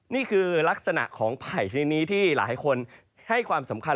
นี่คือลักษณะของไผ่ชนิดนี้ที่หลายคนให้ความสำคัญ